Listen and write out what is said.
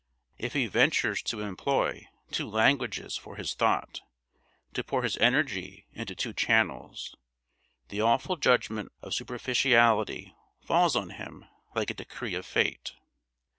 If he ventures to employ two languages for his thought, to pour his energy into two channels, the awful judgment of superficiality falls on him like a decree of fate.